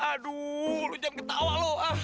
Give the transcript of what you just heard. aduh lo jangan ketawa lo